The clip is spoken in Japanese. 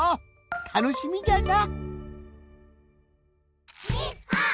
たのしみじゃな！